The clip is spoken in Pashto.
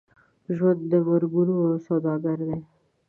ژوند د مرګونو سوداګر دی.